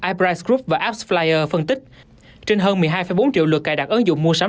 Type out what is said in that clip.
iprice group và appsflyer phân tích trên hơn một mươi hai bốn triệu lượt cài đặt ứng dụng mua sắm